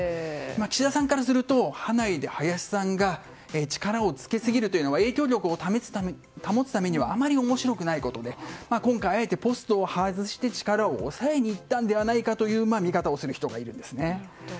岸田さんからすると派内で林さんが力をつけすぎるというのは影響力を保つためにはあまり面白くないことなので今回、あえてポストを外して力を抑えにいったのではないかという見方をする人がいるんです。